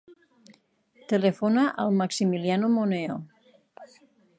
Telefona al Maximiliano Moneo.